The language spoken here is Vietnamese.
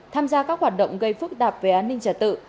tham gia các hoạt động gây phức tạp về an ninh trả tự